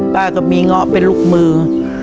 ก็มีเงาะเป็นลูกมือ